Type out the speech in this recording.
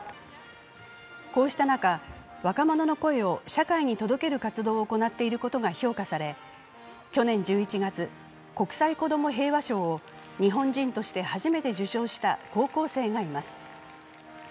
こうした中、若者の声を社会に届ける活動を行っていることが評価され、去年１１月、国際子ども平和賞を日本人として初めて受賞した高校生がいます。